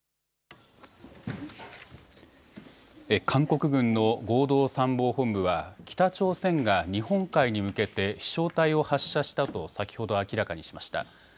韓国軍の合同参謀本部は北朝鮮が日本海に向けて飛しょう体を発射したと先ほど明らかにしました。